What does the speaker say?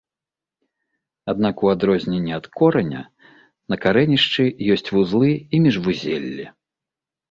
Аднак, у адрозненне ад кораня, на карэнішчы ёсць вузлы і міжвузеллі.